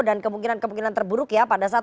dan kemungkinan kemungkinan terburuk ya pada saat